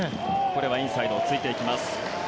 これはインサイドを突いていきます。